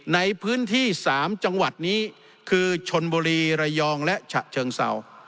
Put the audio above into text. ในพื้นที่๓จังหวัดนี้คือชนบุรีระยองและฉะเชิงเศร้า